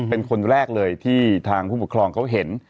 เป็นคนแรกเลยที่ทางผู้ปกครองเขาเห็น